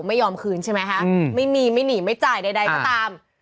ไม่ยอมคืนใช่ไหมคะไม่มีไม่หนีไม่จ่ายใดก็ตาม